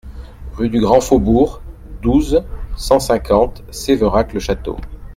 RUE DU GRAND FAUBOURG, douze, cent cinquante Sévérac-le-Château